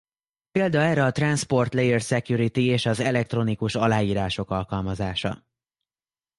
Példa erre a Transport Layer Security és az elektronikus aláírások alkalmazása.